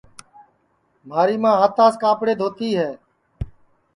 مھاری ماں ہاتاس کاپڑے دھؤتی ہے